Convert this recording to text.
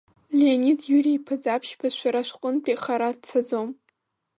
Леонид Иури-иԥа Ӡаԥшьба шәара шәҟынтәи хара дцаӡом.